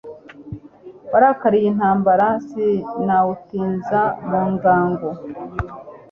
Warakariye intambara Sinawutinza mu ngango